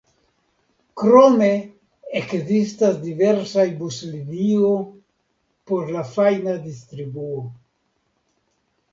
Krome ekzistas diversaj buslinio por la fajna distribuo.